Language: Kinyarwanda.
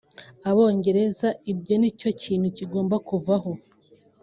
Abongereza …Ibyo nicyo kintu kigomba kuvaho